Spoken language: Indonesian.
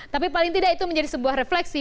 tapi paling tidak itu menjadi sebuah refleksi